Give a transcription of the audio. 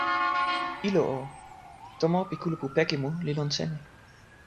ilo o, tomo pi kulupu Pekimu li lon seme?